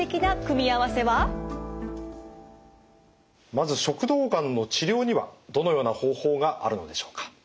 まず食道がんの治療にはどのような方法があるのでしょうか。